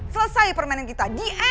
selesai permainan kita